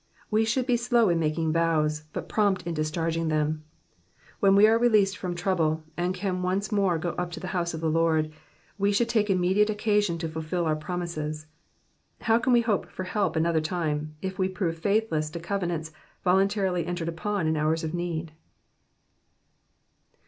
We should be slow in making vows, but prompt in discharging them. When we are released from trouble, and can once more go up to the hous^e of the Lord, we should take immediate occasion to fulfil our promises. How can we hope for help another time, if we prove faithless to covenants voluntarily entered upon in hours of need.